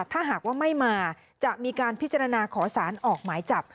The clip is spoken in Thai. ถ้าหากว่าไม่มาจะมีการพิจารณาขอสารออกหมายจับ